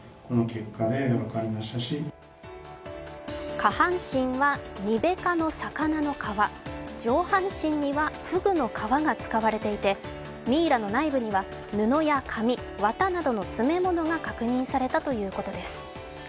下半身はニベ科の魚の皮、上半身にはふぐの皮が使われていてミイラの内部には布や紙、綿などが確認されたということです。